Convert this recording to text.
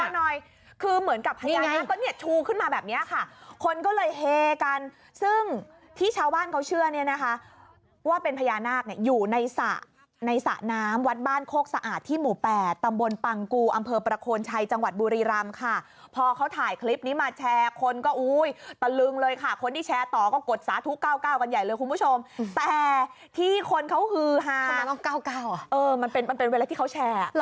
ทุกคนหน่อยคือเหมือนกับพญานาคก็เนี่ยชูขึ้นมาแบบเนี้ยค่ะคนก็เลยเฮกันซึ่งที่ชาวบ้านเขาเชื่อเนี่ยนะคะว่าเป็นพญานาคเนี่ยอยู่ในสระในสระน้ำวัดบ้านโคกสะอาดที่หมู่แปดตำบลปังกูอำเภอประโคนชัยจังหวัดบุรีรำค่ะพอเขาถ่ายคลิปนี้มาแชร์คนก็อุ้ยตะลึงเลยค่ะคนที่แชร์ต่อก็กดสาธุเก้าเก้าก